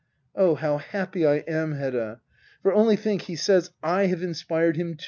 ] Oh, how happy I am, Hedda ! For, only think, he says I have inspired him too.